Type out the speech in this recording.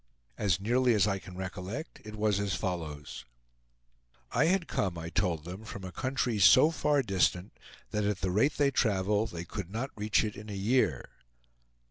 As nearly as I can recollect, it was as follows: I had come, I told them, from a country so far distant, that at the rate they travel, they could not reach it in a year.